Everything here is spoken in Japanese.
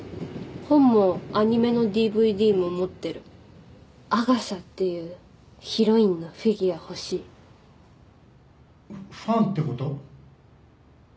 本もアニメのＤＶＤも持ってるアガサっていうヒロインのフィギュア欲しいファンってこと？